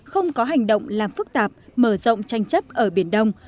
không có hành động làm phức tạp mở rộng tranh chấp ở biển đông